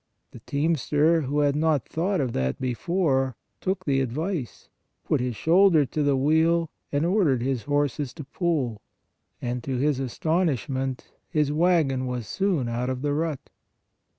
The team ster, who had not thought of that before, took the advice, put his shoulder to the wheel and ordered his horses to pull, and to his astonishment his wagon was soon out of the rut.